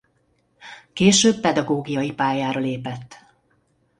Később pedagógiai pályára lépett.